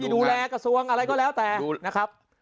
ดูแลกระทรวงอะไรก็แล้วแต่นะครับ